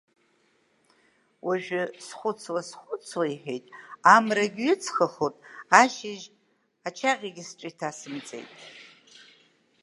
Уажәы схәыцуа, схәыцуа, иҳәит, амрагь ҩыҵхахот, ашьыжь ачаӷьгьы сҿы иҭасымҵит.